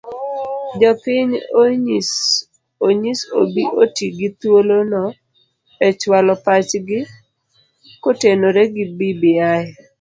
Jopiny onyis obi oti gi thuolono e chualo pachgi kotenore gi bbi